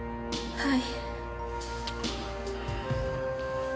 はい。